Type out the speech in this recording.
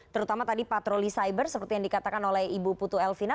terutama tadi patroli cyber seperti yang dikatakan oleh ibu putu elvina